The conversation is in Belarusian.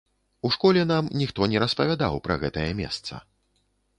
У школе нам ніхто не распавядаў пра гэтае месца.